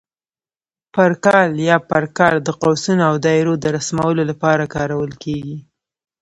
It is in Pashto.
پر کال یا پر کار د قوسونو او دایرو د رسمولو لپاره کارول کېږي.